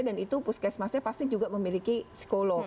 dan itu puskesmasnya pasti juga memiliki psikolog